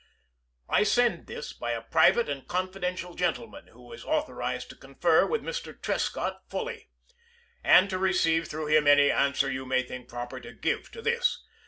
I send this by a private and confidential gentleman, who is authorized to confer with Mr. Trescott fully, and to receive through him any answer you may think proper to give to this.